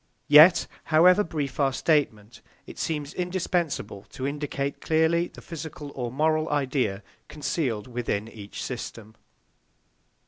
Yet, however brief our statement, it seems indispensable to indicate clearly the physical or moral idea concealed within each system.